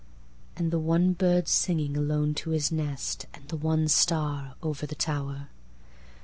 And the one bird singing alone to his nest, And the one star over the tower.